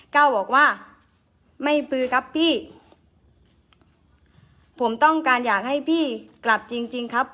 ก้าวบอกว่าไม่ปือครับพี่ผมต้องการอยากให้พี่กลับจริงจริงครับ